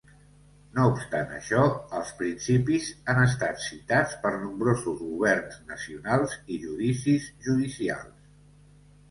No obstant això, els principis han estat citats per nombrosos governs nacionals i judicis judicials.